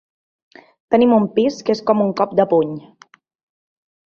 Tenim un pis que és com un cop de puny.